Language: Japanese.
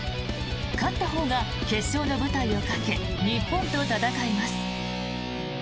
勝ったほうが決勝の舞台をかけ日本と戦います。